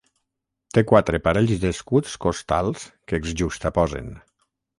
Té quatre parells d'escuts costals que es juxtaposen.